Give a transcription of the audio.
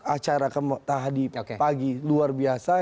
acara kemoktah di pagi luar biasa